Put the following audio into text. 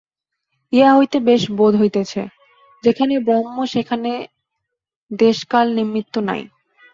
ইহা হইতে বেশ বোধ হইতেছে, যেখানে ব্রহ্ম সেখানে দেশ-কাল-নিমিত্ত নাই।